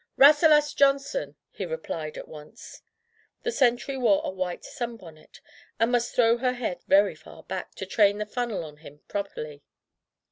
^'Rasselas Johnson,*' he replied at once. The sentry wore a white sunbonnet, and must throw her head very far back, to train the funnel on him properly.